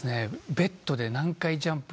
ベッドで何回ジャンプ。